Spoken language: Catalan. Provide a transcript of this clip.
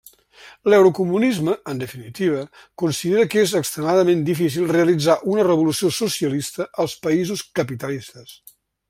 L'eurocomunisme, en definitiva, considera que és extremadament difícil realitzar una revolució socialista als països capitalistes.